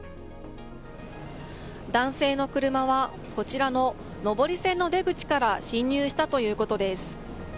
男性の車は、こちらの上り線の出口から進入したということです。